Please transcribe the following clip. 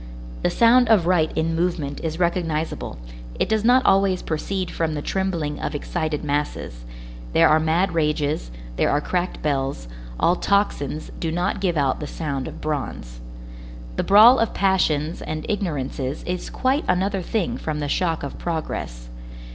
The sound of right in movement is recognizable, it does not always proceed from the trembling of excited masses; there are mad rages, there are cracked bells, all tocsins do not give out the sound of bronze. The brawl of passions and ignorances is quite another thing from the shock of progress.